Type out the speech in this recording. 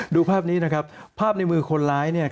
ดูภาพนี้นะครับภาพในมือคนร้ายเนี่ย